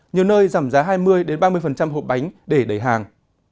nhiều nơi giảm giá hai mươi ba mươi hộp bánh để đẩy hàng